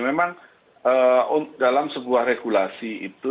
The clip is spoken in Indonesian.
memang dalam sebuah regulasi itu